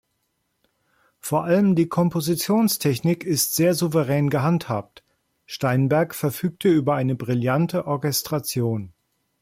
Vor allem die Kompositionstechnik ist sehr souverän gehandhabt; Steinberg verfügte über eine brillante Orchestration.